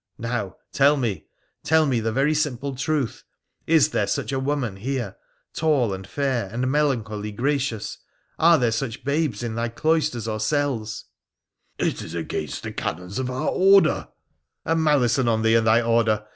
Now, tell me— tell me the very simple truth — is there such a woman here, tall and fair, and melancholy gracious ? Are there such babes in thy cloisters or cells ? ,j ' It is against the canons of our order.' ' A malison on thee and thy order